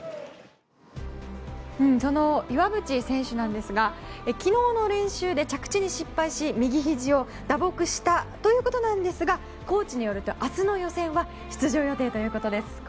その岩渕選手なんですが昨日の練習で着地に失敗し右ひじを打撲したということなんですがコーチによると明日の予選は出場予定ということです。